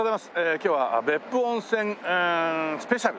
今日は別府温泉スペシャル。